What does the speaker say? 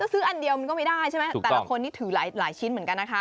ซื้ออันเดียวมันก็ไม่ได้ใช่ไหมแต่ละคนนี้ถือหลายชิ้นเหมือนกันนะคะ